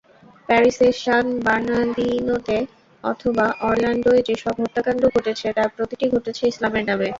প্যারিসে, সান বার্নার্দিনোতে অথবা অরল্যান্ডোয় যেসব হত্যাকাণ্ড ঘটেছে, তার প্রতিটি ঘটেছে ইসলামের নামে।